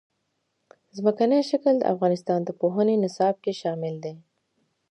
ځمکنی شکل د افغانستان د پوهنې نصاب کې شامل دي.